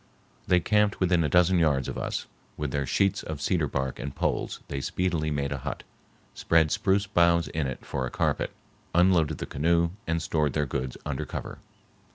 They camped within a dozen yards of us; with their sheets of cedar bark and poles they speedily made a hut, spread spruce boughs in it for a carpet, unloaded the canoe, and stored their goods under cover.